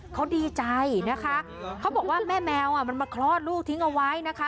เขาดีใจนะคะเขาบอกว่าแม่แมวมันมาคลอดลูกทิ้งเอาไว้นะคะ